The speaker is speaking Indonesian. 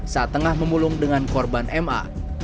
saat tengah memulung dengan korban ma